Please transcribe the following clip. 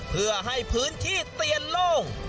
เพื่อให้พื้นที่เตียนโล่ง